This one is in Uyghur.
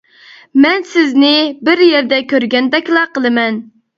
-مەن سىزنى بىر يەردە كۆرگەندەكلا قىلىمەن.